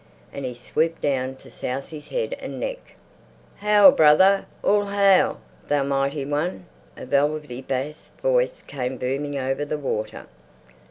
And he swooped down to souse his head and neck. "Hail, brother! All hail, Thou Mighty One!" A velvety bass voice came booming over the water.